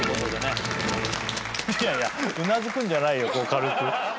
いやいやうなずくんじゃないよ軽く。